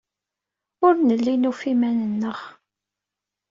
Ur nelli nufa iman-nneɣ.